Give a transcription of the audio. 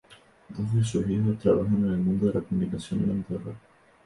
Dos de sus hijos trabajan en el mundo de la comunicación en Andorra.